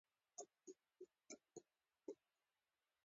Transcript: بلکې د هغه په موقع کې دی پوه شوې!.